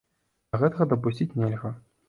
А гэтага дапусціць нельга.